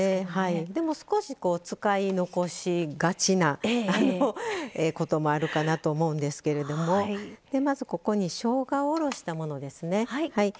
少し使い残しがちなこともあるかなと思うんですけれどまず、しょうがをおろしたものですね。